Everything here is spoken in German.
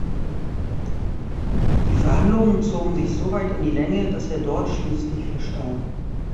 Die Verhandlungen zogen sich soweit in die Länge, dass er dort schließlich verstarb.